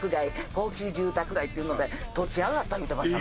高級住宅街！”って言うので土地上がった言うてました」